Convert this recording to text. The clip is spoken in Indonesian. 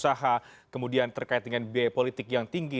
di antara pejabat dengan pengusaha kemudian terkait dengan biaya politik yang tinggi